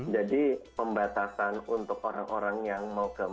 jadi pembatasan untuk orang orang yang mau ke rumah